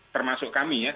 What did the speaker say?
termasuk kami ya